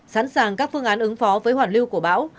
sẵn sàng các phương án ứng phó với hoàn lưu của bão